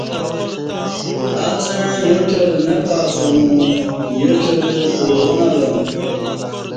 اڅݩع یاچارہ نہ پاتہ مو یاچارہ پعوان اوہ مو